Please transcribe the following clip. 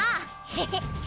ヘヘッ！